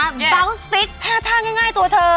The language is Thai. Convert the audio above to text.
เบาส์ฟิตท่าท่าง่ายตัวเธอ